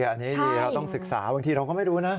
อันนี้ดีเราต้องศึกษาบางทีเราก็ไม่รู้นะ